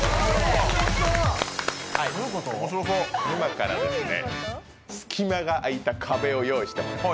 今から隙間が空いた壁を用意しています。